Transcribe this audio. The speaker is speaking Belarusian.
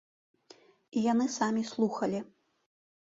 І яны самі слухалі.